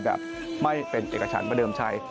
แบบไม่เป็นเอกฉันประเดิมชัย